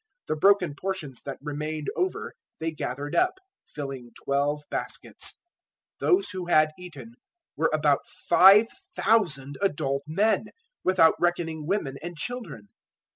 The broken portions that remained over they gathered up, filling twelve baskets. 014:021 Those who had eaten were about 5,000 adult men, without reckoning women and children.